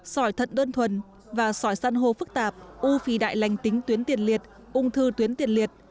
sỏi thận đơn thuần và sỏi san hô phức tạp u phì đại lành tính tuyến tiền liệt ung thư tuyến tiền liệt